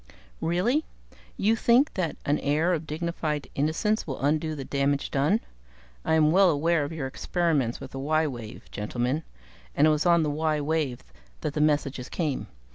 "Really? You think that an air of dignified innocence will undo the damage done? I am well aware of your experiments with the y wave, gentlemen and it was on the y wave that the messages came.